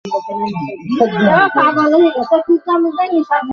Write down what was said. বিংশ শতাব্দীর মানুষ হয়েও সে বিশ্বাস করে যে, সাপের মাথায় মণি আছে।